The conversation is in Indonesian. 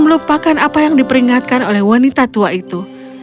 dia juga ingin tahu seperti apa yang diperingatkan oleh wanita tua itu